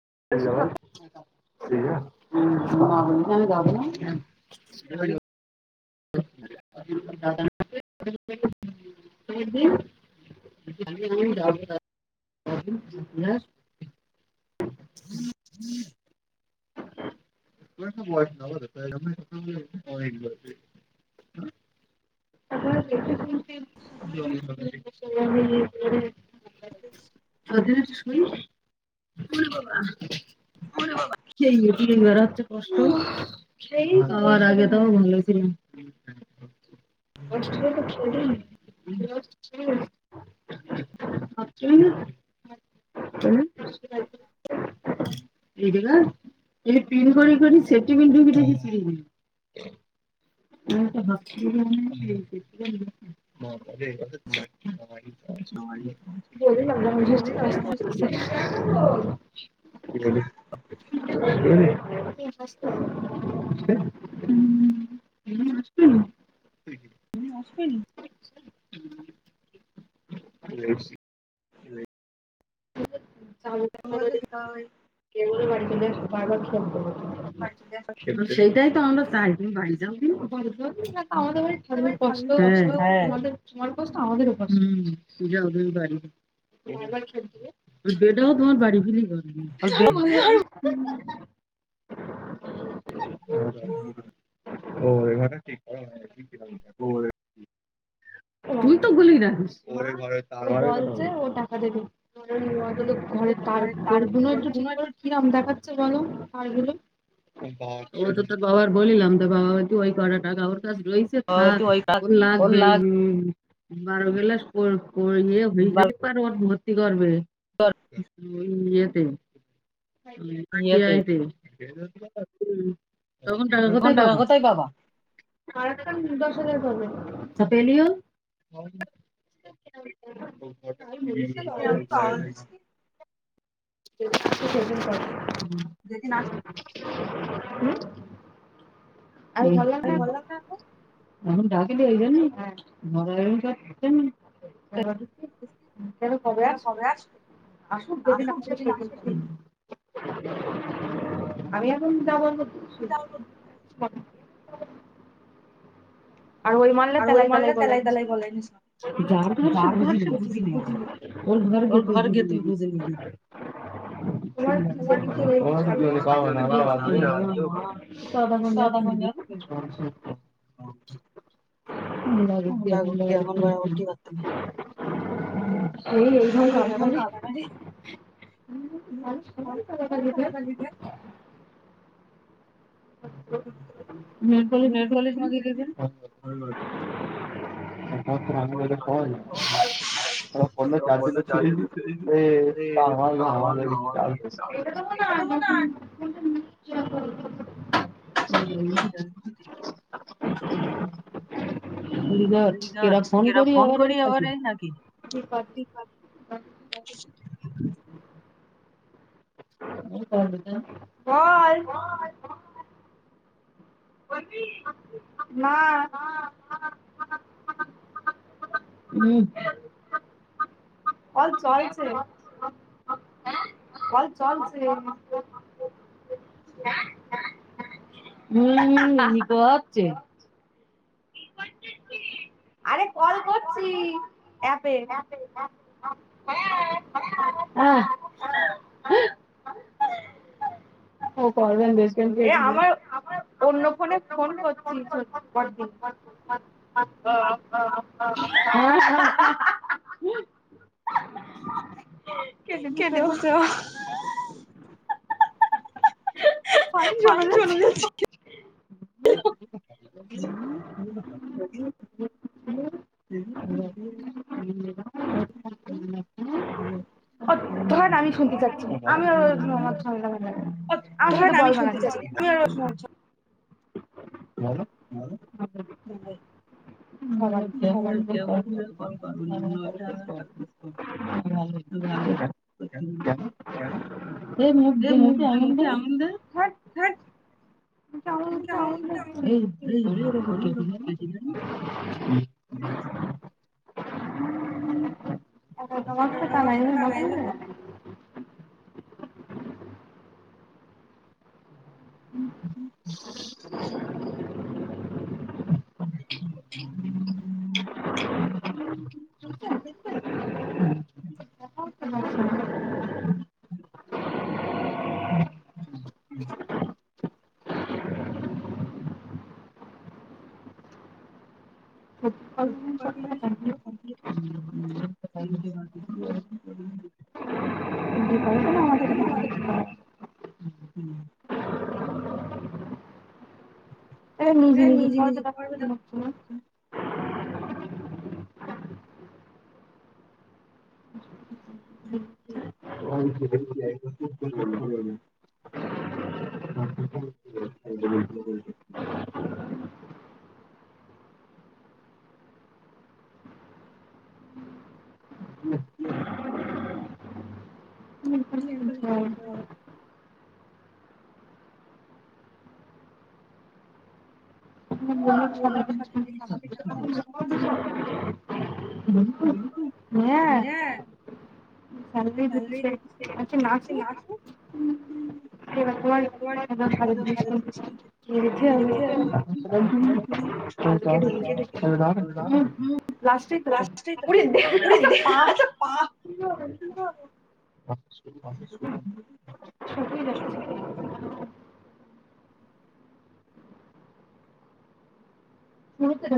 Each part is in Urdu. ہے [unintelligible] ج ھم ہ ہ کو س ب نبر ا اد بھی سئی کون بابا ک ہ ت با کار آگے تو ب چ اس ب چ ہے ج بول ما مھےسس اور کی بولے ہ ت آسبین جی جی اچ س م توتاائی کاگت کر ہاں ٹھیک ہے سر س آئیتیوں بھائی جاؤتی ہم بھر ک تم ہ پ جاد باری بیڈا ہو بت باڑی ف اور ب [unintelligible] [unintelligible] [unintelligible] [inaudible] بول تو گول ناا د د گد تو گھر ت گور گونو ایکٹ تو ٹھ کر کلام دیکا وہ تو تو با بل توا کرا ا ری سے تھاک وہ لگ بارہ بلا س کو کو یہ ہوئی ہے نی پر اور بہت کر بی [inaudible] ٹھ ہ بکے آتے [inaudible] تو ڈا کتائی پابا سپیلی ہو [inaudible] پ [inaudible] ہوں ہوں بولنا کیا ہے اپ کو [unintelligible] [unintelligible] [inaudible] [unintelligible] [unintelligible] [inaudible] [unintelligible] [unintelligible] [unintelligible] [unintelligible] نیر کالج م [unintelligible] ہم سج پ چار د ب چ ہمار گ ہم ہ کیاا فون کری اار ہے نک کال [unintelligible] نہیں تو چ [unintelligible] [unintelligible] کنی دوسو فائن چلا جا ہ [unintelligible] [unintelligible] جی ج [unintelligible] [unintelligible] [unintelligible] [unintelligible] [unintelligible] [unintelligible] ہ [unintelligible] [unintelligible] سک [unintelligible] [unintelligible] جی جی اور بے جی جی ج ج [unintelligible] ج کو شھ سادار لی اے ن سو یہ ا لسٹ [inaudible] ہاں [inaudible]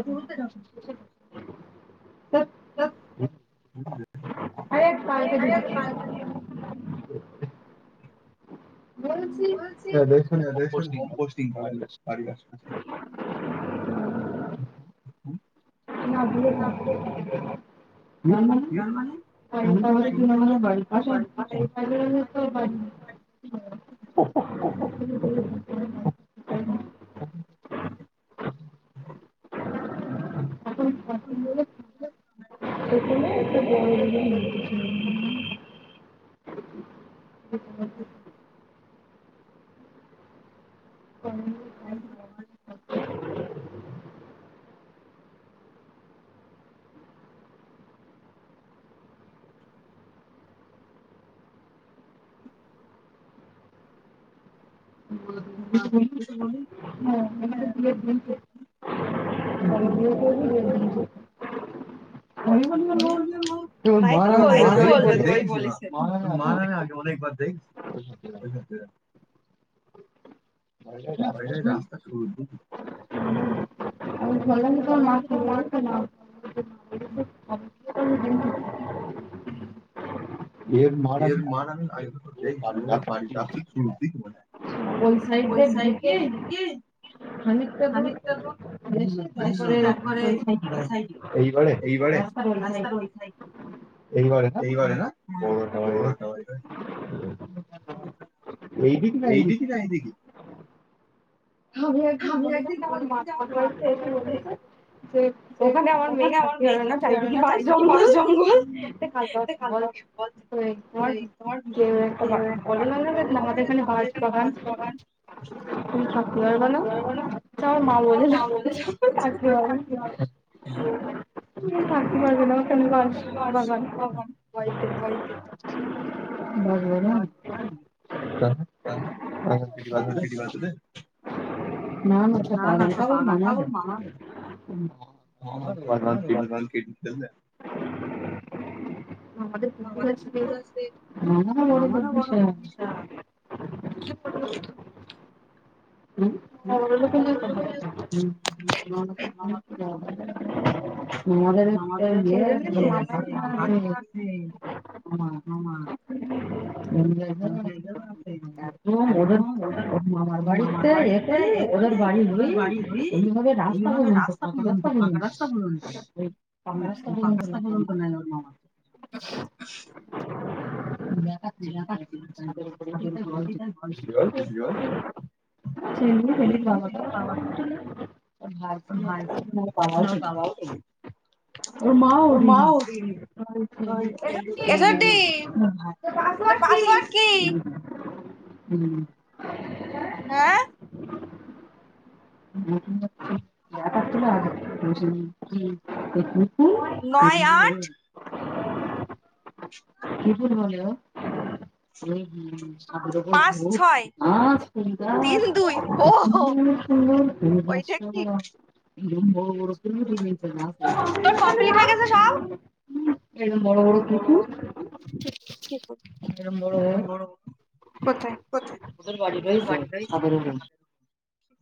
شرو سے جا ارال کر دیکن ہو پ پینا اورری بس میں سے ن ما باس ج ج [inaudible] جی گ بال گار ہے کیسے ب بولیے بول [inaudible] د ال بڑرے راستہ سو یہ مار آ د د وہ پانی تو آپ چڑ ت م س دور گولہا کائے گ یہ دیکی ج یہ دیکی ہم ایک ب م سے وہ متی ہےےا چارد بض جنگل ک ہمے بار بگان ت سکو اور ب ب ک کا ہ ک باتل [unintelligible] ا گنٹ منا م [unintelligible] ش [inaudible] ہ م [inaudible] د مار بڑ سے ایک [inaudible] یہ کری اھر بڑی ہو یہ ب راستہ پ تو پکا راستہ بول پکا رستہ بول تو ن اور ماما [inaudible] م چ [inaudible] [inaudible] پ اور ماں ا رہی [unintelligible] ہوں [inaudible] ہ [inaudible] آ [inaudible] نو آٹھ [inaudible] کی ب [inaudible] ہل [inaudible] ہوں ہوں [inaudible] [inaudible] ج [inaudible] [inaudible] مےگڑکک [inaudible] تا ہےی رہ بر [inaudible]